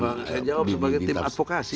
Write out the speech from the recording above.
saya jawab sebagai tim advokasi